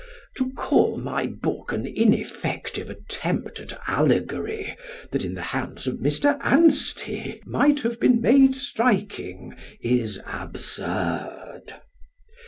To call my book an ineffective attempt at allegory that, in the hands of Mr. Anstey might have been made striking, is absurd.